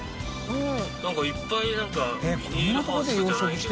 覆鵑いっぱいビニールハウスじゃないけど。